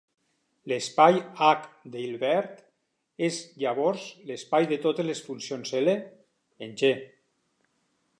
L'espai "H" de Hilbert és llavors l'espai de totes les funcions "L? en "G".